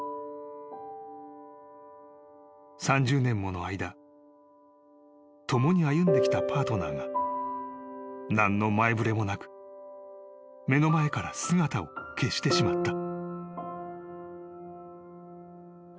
［３０年もの間共に歩んできたパートナーが何の前触れもなく目の前から姿を消してしまった］